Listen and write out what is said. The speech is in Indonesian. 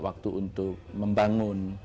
waktu untuk membangun